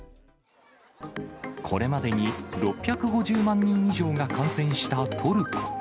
これまでに６５０万人以上が感染したトルコ。